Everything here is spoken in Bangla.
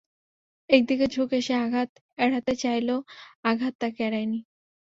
একদিকে ঝুঁকে সে আঘাত এড়াতে চাইলেও আঘাত তাকে এড়ায়নি।